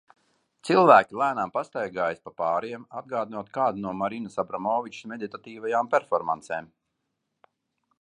Cilvēki lēnām pastaigājas pa pāriem, atgādinot kādu no Marinas Abramovičas meditatīvajām performancēm.